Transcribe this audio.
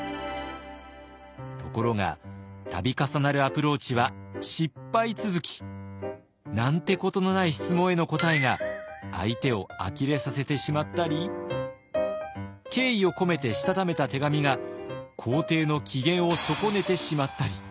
ところが度重なるアプローチは失敗続き。なんてことのない質問への答えが相手をあきれさせてしまったり敬意を込めてしたためた手紙が皇帝の機嫌を損ねてしまったり。